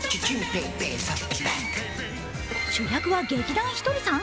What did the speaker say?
主役は劇団ひとりさん？